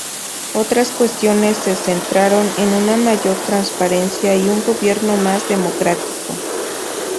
Otras cuestiones se centraron en una mayor transparencia y un gobierno más democrático.